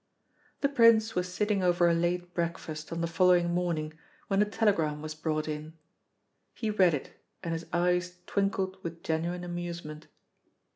'" The Prince was sitting over a late breakfast on the following morning, when a telegram was brought in. He read it, and his eyes twinkled with genuine amusement.